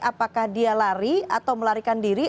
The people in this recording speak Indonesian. apakah dia lari atau melarikan diri